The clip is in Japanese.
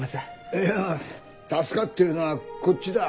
いや助かってるのはこっちだ。